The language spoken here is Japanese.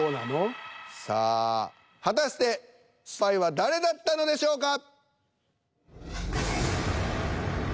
さあ果たしてスパイは誰だったのでしょうか。